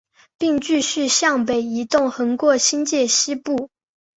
并继续向北移动横过新界西部。